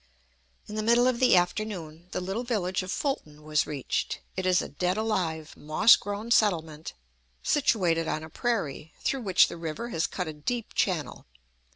In the middle of the afternoon the little village of Fulton was reached. It is a dead alive, moss grown settlement, situated on a prairie, through which the river has cut a deep channel.